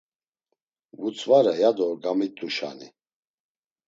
Vutzvare, yado gamit̆uşani.